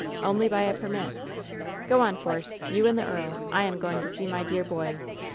"Only by a permit." "Go on. Force ! You and the earl! I am going to see my dear boy!